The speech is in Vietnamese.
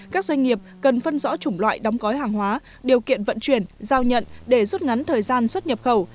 các doanh nghiệp cần phân rõ chủng loại đóng gói hàng hóa điều kiện vận chuyển giao nhận để rút ngắn thời gian xuất nhập khẩu